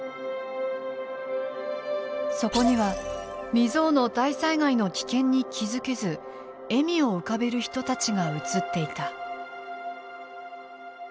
そこには未曽有の大災害の危険に気付けず笑みを浮かべる人たちが映っていた。